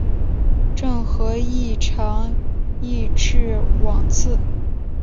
郑和亦尝裔敕往赐。